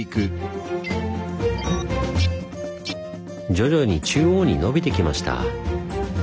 徐々に中央にのびてきました。